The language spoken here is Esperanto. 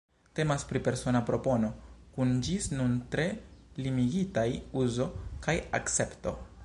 Temas pri persona propono, kun ĝis nun tre limigitaj uzo kaj akcepto.